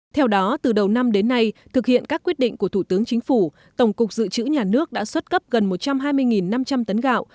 theo đó từ đầu năm đến nay thực hiện các quyết định của thủ tướng chính phủ tổng cục dự trữ nhà nước đã xuất cấp gần một trăm hai mươi năm trăm linh tấn gạo